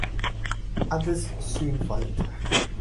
Others soon followed.